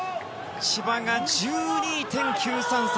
千葉、１２．９３３。